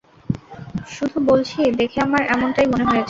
শুধু বলছি, দেখে আমার এমনটাই মনে হয়েছে।